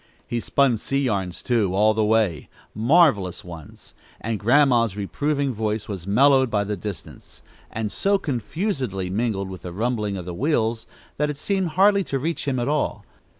He spun sea yarns, too, all the way marvelous ones, and Grandma's reproving voice was mellowed by the distance, and so confusedly mingled with the rumbling of the wheels, that it seemed hardly to reach him at all.